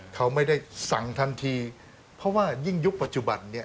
เขาไม่ได้สั่งทันทีเพราะว่ายิ่งยุคปัจจุบันเนี่ย